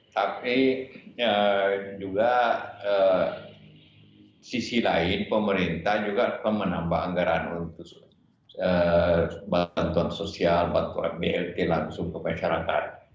tapi juga sisi lain pemerintah juga menambah anggaran untuk bantuan sosial bantuan blt langsung ke masyarakat